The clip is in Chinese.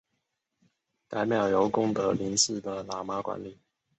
该庙由功德林寺的喇嘛管理。